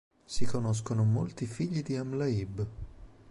Si conoscono molti figli di Amlaíb.